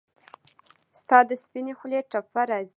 ستاد سپيني خولې ټپه راځـي